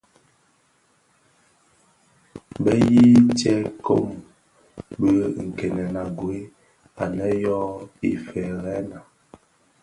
Be yii tsè kōm bi nkènèn a gued anë yō Ifëërèna.